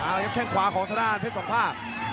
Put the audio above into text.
เอาล่ะครับแก่งขวาของธนรรป์เพชรสองภาค